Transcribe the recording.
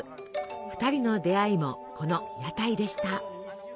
２人の出会いもこの屋台でした。